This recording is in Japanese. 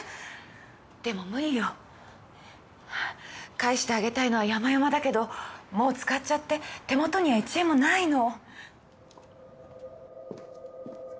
返してあげたいのは山々だけどもう使っちゃって手元には１円もないの。